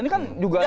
ini kan juga sesat